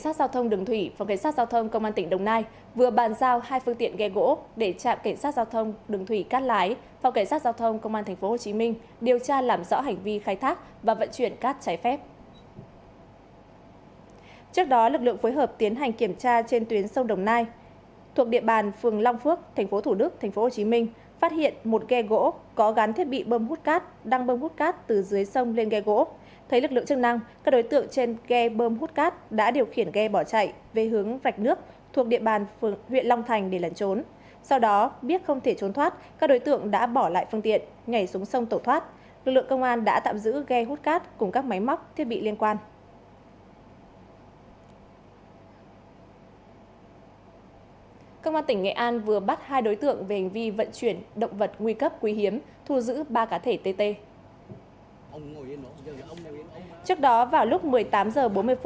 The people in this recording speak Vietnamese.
đội cảnh sát giao thông đường thủy và cảnh sát giao thông công an tỉnh đồng nai vừa bàn giao hai phương tiện ghe gỗ để chạm cảnh sát giao thông đường thủy cát lái và cảnh sát giao thông công an tp hcm điều tra làm rõ hành vi khai thác và vận chuyển cát trái phép